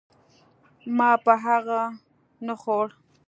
ما به هغه نه خوړ.